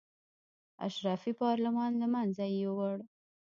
اشرافي پارلمان له منځه یې یووړ.